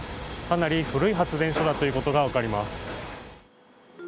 かなり古い発電所だということが分かります。